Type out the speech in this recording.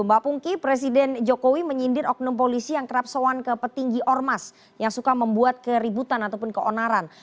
mbak pungki presiden jokowi menyindir oknum polisi yang kerap soan ke petinggi ormas yang suka membuat keributan ataupun keonaran